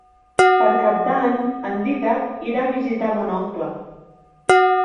Per Cap d'Any en Dídac irà a visitar mon oncle.